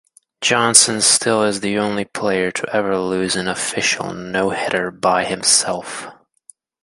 Johnson still is the only player to ever lose an official no-hitter by himself.